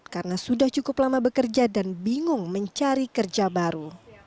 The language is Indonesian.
karena sudah cukup lama bekerja dan bingung mencari kerja baru